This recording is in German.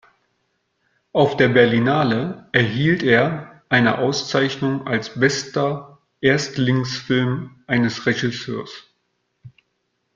Auf der Berlinale erhielt er eine Auszeichnung als bester Erstlingsfilm eines Regisseurs.